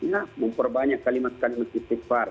nah memperbanyak kalimat kan dengan istighfar